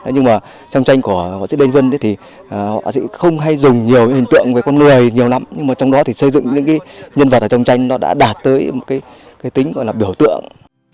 nhưng mà trong tranh của họa sĩ đinh vân thì họ sẽ không hay dùng nhiều hình tượng về con người nhiều lắm nhưng mà trong đó thì xây dựng những nhân vật ở trong tranh nó đã đạt tới một cái tính gọi là biểu tượng